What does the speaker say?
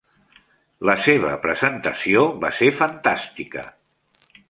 La seva presentació va ser fantàstica!